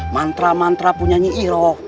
mantra mantra punya nyiiro